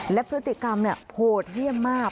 และพฤติกรรมโหดเยี่ยมมาก